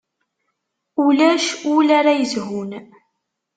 Ulac ul ara yezhun.